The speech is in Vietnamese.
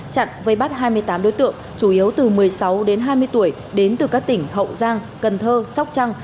chặn vây bắt hai mươi tám đối tượng chủ yếu từ một mươi sáu đến hai mươi tuổi đến từ các tỉnh hậu giang cần thơ sóc trăng